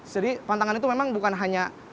jadi pantangan itu memang bukan hanya tentang debus saja